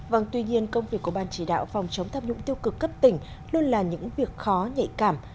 vâng tuy nhiên công việc của ban chỉ đạo phòng chống tham nhũng tiêu cực cấp tỉnh luôn là những việc khó nhạy cảm